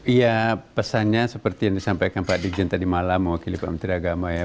iya pesannya seperti yang disampaikan pak dirjen tadi malam mewakili pak menteri agama ya